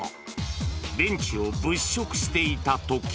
ベンチを物色していたとき。